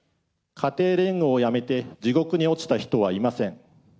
家庭連合をやめて地獄に落ちた人はいません。